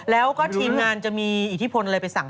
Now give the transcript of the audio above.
แล้วก็ทีมงานจะมีอิทธิพลอะไรไปสั่ง